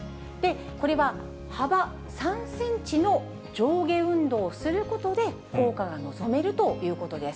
これは幅３センチの上下運動をすることで効果が望めるということです。